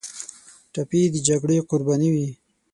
ټپي د جګړې قرباني وي.